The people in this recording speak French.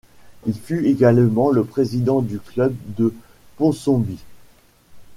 Il fut également le président du club de Ponsonby.